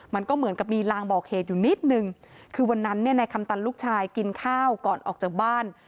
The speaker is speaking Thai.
มันก็เหมือนกับมีลางบอกเหตุอยู่นิดนึงคือวันนั้นเนี่ยนายคำตันลูกชายกินข้าวก่อนออกจากบ้าน